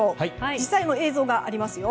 実際の映像があります。